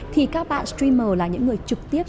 thì các bạn streamer là những người trực tiếp